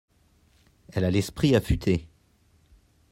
elle a l'esprit affuté.